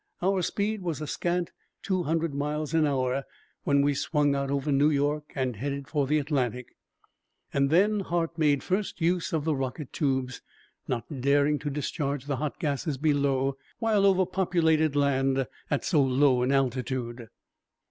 Our speed was a scant two hundred miles an hour when we swung out over New York and headed for the Atlantic. And then Hart made first use of the rocket tubes, not daring to discharge the hot gases below while over populated land at so low an altitude.